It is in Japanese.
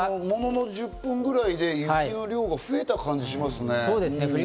ものの１０分ぐらいで雪の量が増えた感じがしますね。